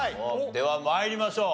では参りましょう。